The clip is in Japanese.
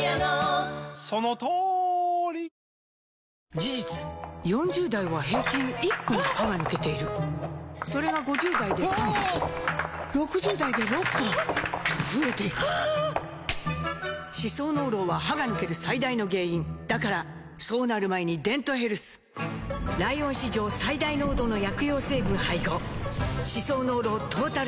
事実４０代は平均１本歯が抜けているそれが５０代で３本６０代で６本と増えていく歯槽膿漏は歯が抜ける最大の原因だからそうなる前に「デントヘルス」ライオン史上最大濃度の薬用成分配合歯槽膿漏トータルケア！